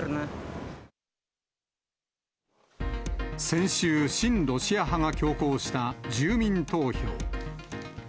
先週、親ロシア派が強行した、住民投票。